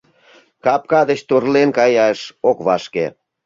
Капка деч торлен каяш ок вашке.